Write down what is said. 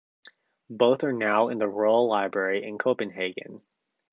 Both are now in the Royal Library in Copenhagen.